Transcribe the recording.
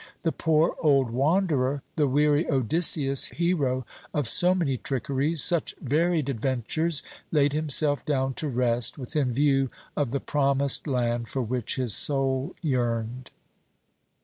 The poor old wanderer, the weary Odysseus, hero of so many trickeries, such varied adventures, laid himself down to rest, within view of the Promised Land for which his soul yearned.